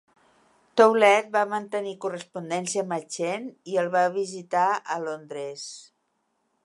Toulet va mantenir correspondència amb Machen i el va visitar a Londres.